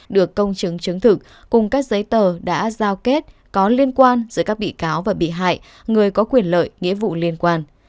được công chứng chứng thực cùng các giấy tờ đã giao kết có liên quan giữa các bị cáo và bị hại người có quyền lợi nghĩa vụ liên quan